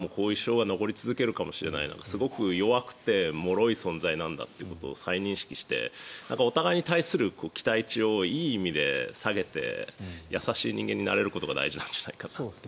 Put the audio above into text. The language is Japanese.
すぐに病気にかかったりしてダウンするし回復したあとも後遺症は残り続けるかもしれないすごく弱くてもろい存在なんだということを再認識してお互いに対する期待値をいい意味で下げて優しい人間になれることが大事なんじゃないかなと。